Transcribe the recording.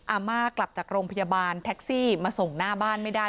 อาม่ากลับจากโรงพยาบาลแท็กซี่มาส่งหน้าบ้านไม่ได้